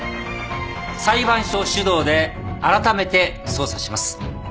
裁判所主導であらためて捜査します。